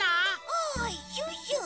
あシュッシュ！